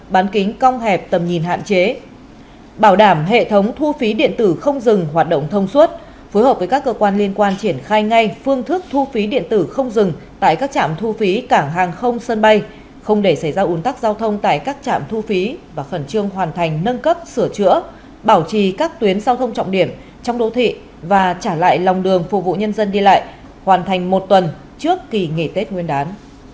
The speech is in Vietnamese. bán kính cong hẹp tầm nhìn hạn chế bảo đảm hệ thống thu phí điện tử không dừng hoạt động thông suốt phối hợp với các cơ quan liên quan triển khai ngay phương thức thu phí điện tử không dừng tại các trạm thu phí cảng hàng không sân bay không để xảy ra un tắc giao thông tại các trạm thu phí và khẩn trương hoàn thành nâng cấp sửa chữa bảo trì các tuyến giao thông trọng điểm trong đỗ thị và trả lại lòng đường phục vụ nhân dân đi lại hoàn thành một tuần trước kỳ nghỉ tết nguyên đán